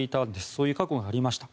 そういう過去がありました。